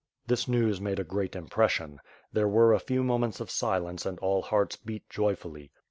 This news made a great impression. There were a few moments of silence and all hearts beat joyfully.